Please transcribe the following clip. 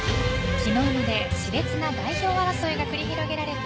昨日まで熾烈な代表争いが繰り広げられた